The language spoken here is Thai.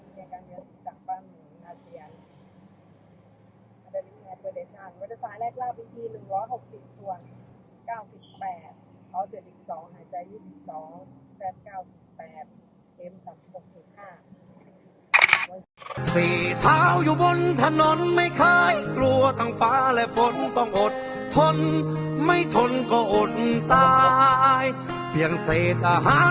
จะมีในการเรียนสิทธิ์จากบ้านหนึ่งนาทียังอันดับนี้แหลกราบวิทยาลัยวิทยาลัยแรกราบวิทยาลัยหนึ่งร้อยหกสิบส่วนสี่เก้าสี่สิบแปด